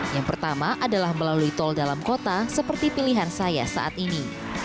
yang pertama adalah melalui tol dalam kota seperti pilihan saya saat ini